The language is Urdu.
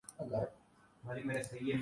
یہی اس الیکشن موسم میں ہو رہا ہے۔